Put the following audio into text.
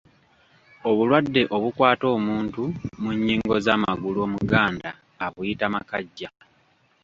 Obulwadde obukwata omuntu mu nnyingo z’amagulu omuganda abuyita makajja.